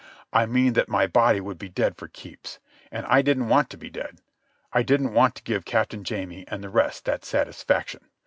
I mean that my body would be dead for keeps. And I didn't want it to be dead. I didn't want to give Captain Jamie and the rest that satisfaction.